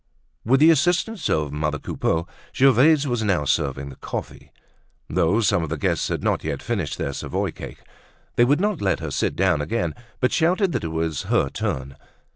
With the assistance of mother Coupeau, Gervaise was now serving the coffee, though some of the guests had not yet finished their Savoy cake. They would not let her sit down again, but shouted that it was her turn.